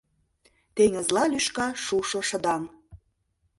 Теҥызла лӱшка шушо шыдаҥ